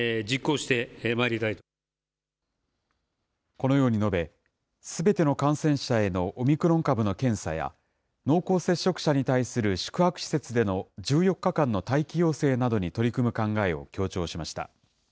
このように述べ、すべての感染者へのオミクロン株の検査や、濃厚接触者に対する宿泊施設での１４日間の待機要請などに取り組む考えを強調しました。